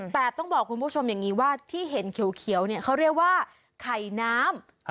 แต่ต้องบอกคุณผู้ชมอย่างนี้ว่าที่เห็นเขียวเนี่ยเขาเรียกว่าไข่น้ำ